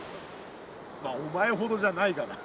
まあお前ほどじゃないがな。